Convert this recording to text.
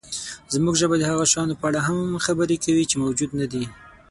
زموږ ژبه د هغو شیانو په اړه هم خبرې کوي، چې موجود نهدي.